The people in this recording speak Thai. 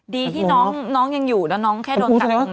ดีที่น้องยังอยู่แล้วน้องแค่โดนกัดตรงนั้น